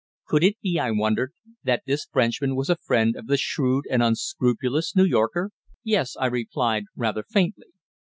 Could it be, I wondered, that this Frenchman was a friend of the shrewd and unscrupulous New Yorker? "Yes," I replied rather faintly.